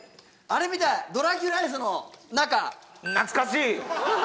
あれみたいドラキュラアイスの中懐かしい！